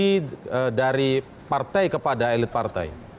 ini dari partai kepada elit partai